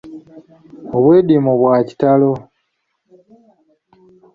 Obwediimo bwa kitalo.